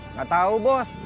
nggak tahu bos